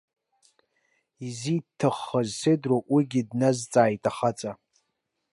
Изиҭаххаз сеидур, уигьы дназҵааит ахаҵа.